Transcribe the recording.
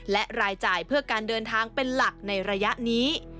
และรายจ่ายเพื่อการเดินทางเป็นหลักในระยะนี้